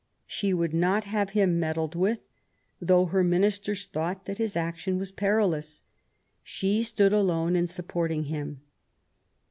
She would not have him meddled with, though her ministers thought that his action was perilous. She stood alone in supporting him.